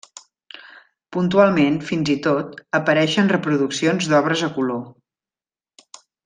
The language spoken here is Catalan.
Puntualment, fins i tot, apareixen reproduccions d'obres a color.